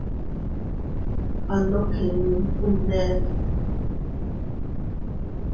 Ando kinnun kuindedi.